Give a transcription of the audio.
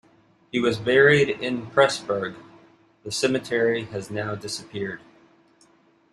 He was buried in Pressburg, the cemetery has now disappeared.